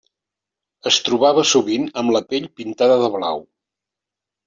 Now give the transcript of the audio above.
Es trobava sovint amb la pell pintada de blau.